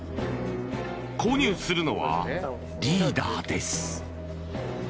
購入するのはリーダーです。